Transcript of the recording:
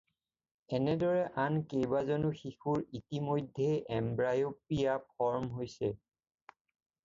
এনেদৰে অনা কেইবাজনো শিশুৰ ইতিমধ্যেই এমব্লায়'পিয়া ফৰ্ম হৈছে।